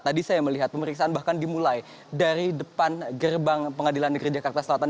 tadi saya melihat pemeriksaan bahkan dimulai dari depan gerbang pengadilan negeri jakarta selatan